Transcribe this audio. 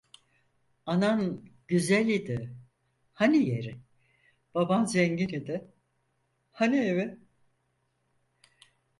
Anan güzel idi, hani yeri, baban zengin idi, hani evi.